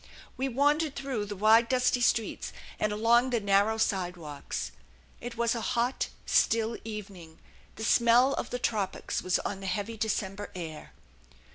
We wandered through the wide, dusty streets, and along the narrow sidewalks. It was a hot, still evening; the smell of the tropics was on the heavy December air.